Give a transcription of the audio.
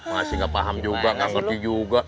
masih nggak paham juga nggak ngerti juga